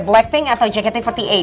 blackpink atau jkt empat puluh delapan